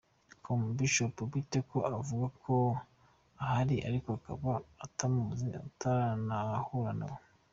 com: Bishoboka bite ko uvuga ko ahari ariko ukaba utamuzi utaranahura nawe?.